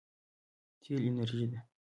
تېل انرژي ده.